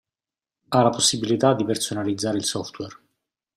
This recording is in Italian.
Ha la possibilità di personalizzare il software.